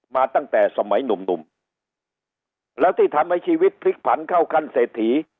มาตั้งแต่สมัยหนุ่มแล้วที่ทำให้ชีวิตพลิกผันเข้าขั้นเศรษฐี